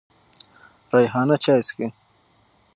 ریحانه چای څکې.